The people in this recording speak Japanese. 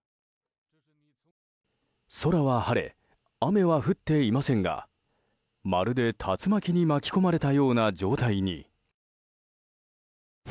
空は晴れ、雨は降っていませんがまるで竜巻に巻き込まれたような状態に。